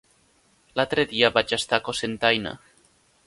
L'altre dia vaig estar a Cocentaina.